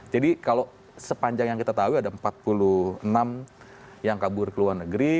jadi kalau sepanjang yang kita tahu ada empat puluh enam yang kabur ke luar negeri